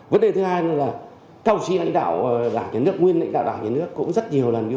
vấn đề thứ hai là cao trí lãnh đạo đảng nhà nước nguyên lãnh đạo đảng nhà nước cũng rất nhiều lần